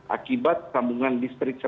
akibat sambungan listrik listrik